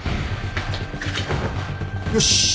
よし。